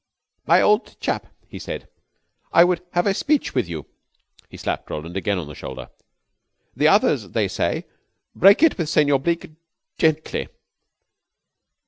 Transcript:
"My old chap," he said. "I would have a speech with you." He slapped Roland again on the shoulder. "The others they say, 'Break it with Senor Bleke gently.'